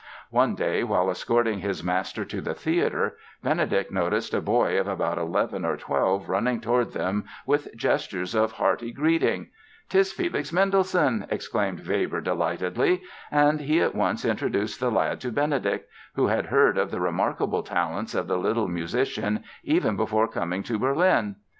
One day while escorting his master to the theatre, Benedict noticed a boy of about eleven or twelve running toward them with gestures of hearty greeting. "'Tis Felix Mendelssohn!" exclaimed Weber delightedly, and he at once introduced the lad to Benedict, who had heard of the remarkable talents of the little musician even before coming to Berlin.